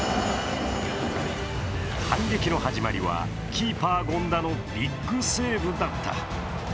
反撃の始まりはキーパー・権田のビッグセーブだった。